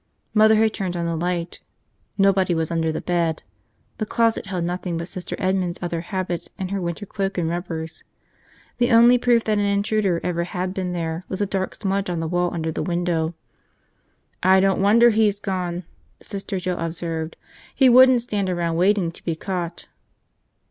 Mother had turned on the light. Nobody was under the bed. The closet held nothing but Sister Edmond's other habit and her winter cloak and rubbers. The only proof that an intruder ever had been there was a dark smudge on the wall under the window. "I don't wonder he's gone," Sister Joe observed. "He wouldn't stand around waiting to be caught."